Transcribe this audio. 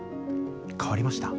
変わりました？